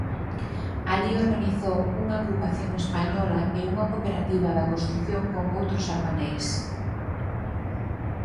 Alí organizou unha agrupación española e unha cooperativa da construción con outros albaneis.